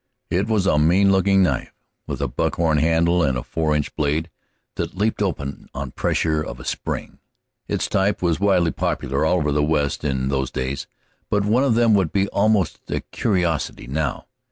It was a mean looking knife, with a buck horn handle and a four inch blade that leaped open on pressure of a spring. Its type was widely popular all over the West in those days, but one of them would be almost a curiosity now.